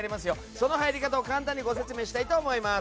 その入り方を簡単にご説明したいと思います。